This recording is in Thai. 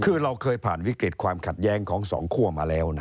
คือเราเคยผ่านวิกฤตความขัดแย้งของสองคั่วมาแล้วนะ